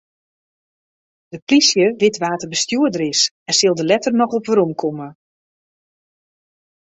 De plysje wit wa't de bestjoerder is en sil dêr letter noch op weromkomme.